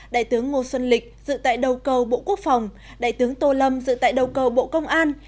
đại tướng ngô xuân lịch dự tại đầu cầu bộ quốc phòng đại tướng tô lâm dự tại đầu cầu bộ công an